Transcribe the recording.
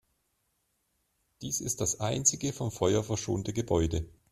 Dies ist das einzige vom Feuer verschonte Gebäude.